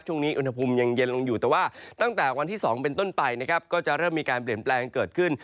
ช่วงนี้อุณหภูมิยังเย็นลงอยู่แต่ว่าตั้งแต่วันที่๒เป็นต้นไปนะครับก็จะเริ่มมีการเปลี่ยนแปลงเกิดขึ้น